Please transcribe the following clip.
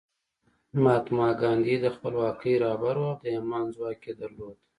مهاتما ګاندي د خپلواکۍ رهبر و او د ایمان ځواک یې درلود